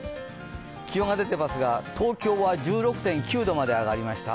気温が出ていますが、東京は１６．９度まで上がりました。